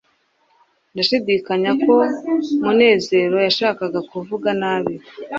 ndashidikanya ko munezero yashakaga kuvuga nabi